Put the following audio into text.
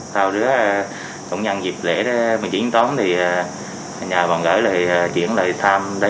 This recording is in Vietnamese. sau đó cũng nhận dịp lễ một mươi chín tóm nhà bà gỡ lại chuyển lại thăm